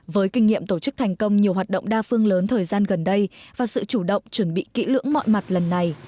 với kinh nghiệm tổ chức thành công nhiều hoạt động đa phương lớn thời gian gần đây và sự chủ động chuẩn bị kỹ lưỡng mọi mặt lần này